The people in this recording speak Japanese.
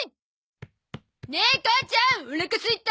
ねえ母ちゃんお腹すいた！